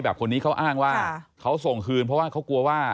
คนนี้เขาอ้างว่าเขาส่งคืนเพราะว่าเขากลัวว่า